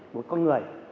một con người